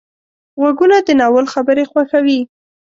غوږونه د ناول خبرې خوښوي